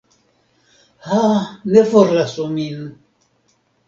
Ha, ne forlasu min!